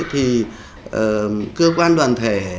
thì cơ quan đoàn thể